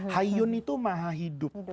hayyun itu maha hidup